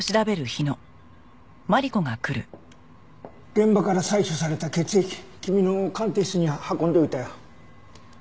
現場から採取された血液君の鑑定室に運んどいた。